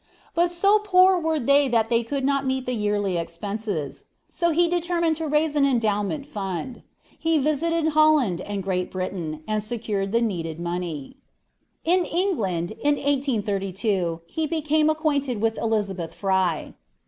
But so poor were they that they could not meet the yearly expenses, so he determined to raise an endowment fund. He visited Holland and Great Britain, and secured the needed money. In England, in 1832, he became acquainted with Elizabeth Fry.